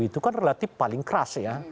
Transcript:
itu kan relatif paling keras ya